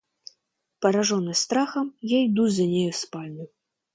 Пораженный страхом, я иду за нею в спальню.